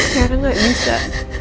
tiara gak bisa